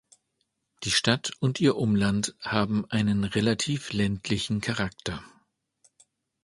Die Stadt und ihr Umland haben einen relativ ländlichen Charakter.